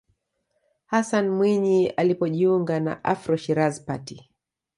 hassan mwinyi alipojiunga na afro shiraz party